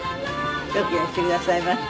よくいらしてくださいました。